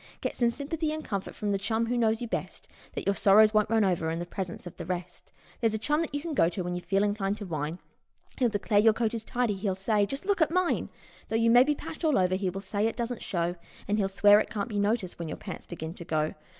Get some sympathy and comfort from the chum who knows you best, Then your sorrows won't run over in the presence of the rest ; There's a chum that you can go to when you feel inclined to whine, He'll declare your coat is tidy, and he'll say : "Just look at mine !" Though you may be patched all over he will say it doesn't show, And he'll swear it can't be noticed when your pants begin to go.